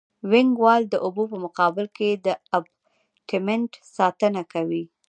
وینګ وال د اوبو په مقابل کې د ابټمنټ ساتنه کوي